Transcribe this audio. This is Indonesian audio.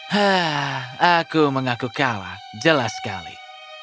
hah aku mengaku kalah jelas sekali